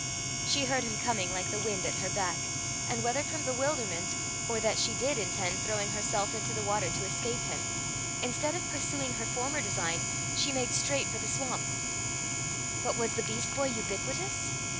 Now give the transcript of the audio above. She heard him coming like the wind at her back, and, whether from bewilderment, or that she did intend throwing herself into the water to escape him, instead of pursuing her former design, she made straight for the swamp. But was the beast boy ubiquitous?